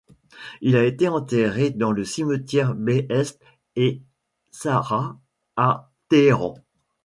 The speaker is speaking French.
Il a été enterré dans le cimetière Behesht-e Zahra à Téhéran.